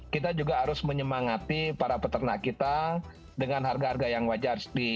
kita juga harus menyemangati para peternak kita dengan harga harga yang wajar